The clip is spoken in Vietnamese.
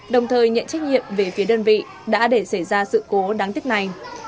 đồng thời nhận trách nhiệm về phía đơn vị đã để xảy ra sự cố đáng tiếc này